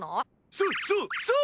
そうそうそう！